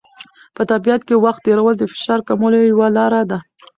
په طبیعت کې وخت تېرول د فشار کمولو یوه لاره ده.